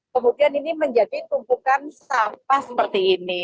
kemudian ini menjadi tumpukan sampah seperti ini